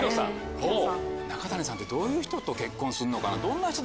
中谷さんってどういう人と結婚するのかな？